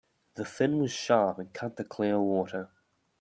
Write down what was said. The fin was sharp and cut the clear water.